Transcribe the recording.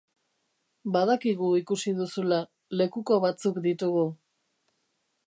Badakigu ikusi duzula, lekuko batzuk ditugu.